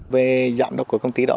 về giám đốc của công ty đó